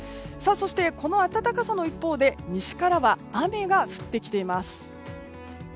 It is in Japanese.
そして、この暖かさの一方で西からは雨が降ってきています。